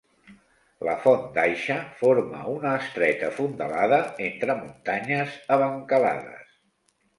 La Font d'Aixa forma una estreta fondalada entre muntanyes abancalades.